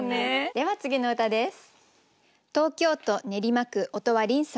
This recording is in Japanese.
では次の歌です。